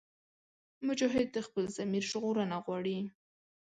مجاهد د خپل ضمیر ژغورنه غواړي.